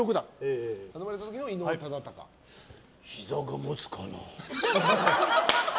ひざが持つかな。